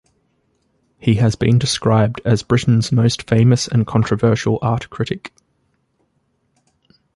He has been described as "Britain's most famous and controversial art critic".